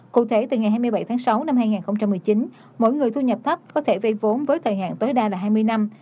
cụ thể từ ngày hai mươi bảy tháng sáu năm hai nghìn một mươi chín mỗi người thu nhập thấp có thể vây vốn với thời hạn tối đa là hai mươi năm